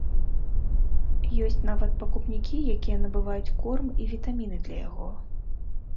Ёсць нават пакупнікі, якія набываюць корм і вітаміны для яго.